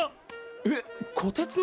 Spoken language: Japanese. えっこてつの！？